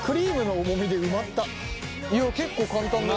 いや結構簡単だよ。